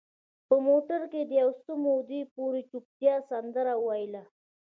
په موټر کې د یو څه مودې پورې چوپتیا سندره ویله.